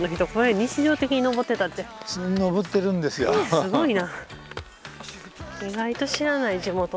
すごいな。